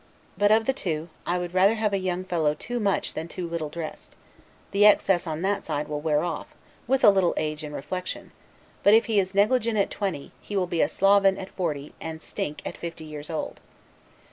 But, of the two, I would rather have a young fellow too much than too little dressed; the excess on that side will wear off, with a little age and reflection; but if he is negligent at twenty, he will be a sloven at forty, and stink at fifty years old.